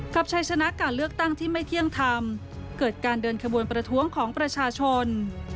ชัยชนะการเลือกตั้งที่ไม่เที่ยงธรรมเกิดการเดินขบวนประท้วงของประชาชน